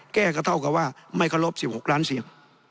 แก้ก็เท่ากับว่าไม่เคารพ๑๖ล้านเสียง